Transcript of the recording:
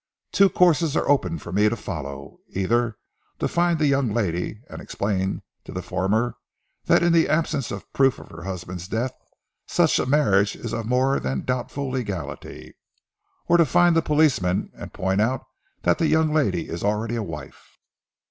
Two courses are open for me to follow, either to find the young lady, and explain to the former that in the absence of proof of her husband's death such a marriage is of more than doubtful legality; or to find the policeman and point out that the young lady is already a wife."